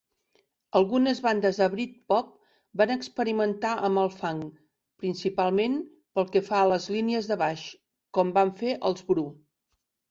Algunes bandes de Britpop van experimentar amb el funk, principalment pel que fa a les línies de baix, com van fer els Blur.